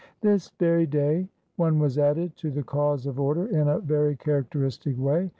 This very day one was added to the cause of order in a very characteristic way.